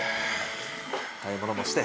買い物もして。